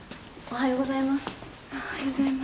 おはようございます。